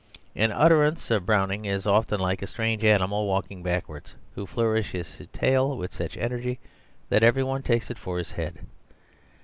An utterance of Browning is often like a strange animal walking backwards, who flourishes his tail with such energy that every one takes it for his head.